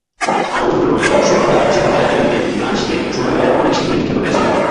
তাঁর অনুপ্রেরণায় সোনারগাঁ শিল্পকলা একাডেমিতে গান শিখে সোনারগাঁয়ের অনেক শিল্পী বিখ্যাত হয়েছেন।